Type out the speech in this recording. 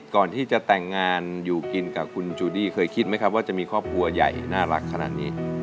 ก่อนที่จะแต่งงานอยู่กินกับคุณจูดี้เคยคิดไหมครับว่าจะมีครอบครัวใหญ่น่ารักขนาดนี้